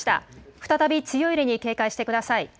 再び強い揺れに警戒してください。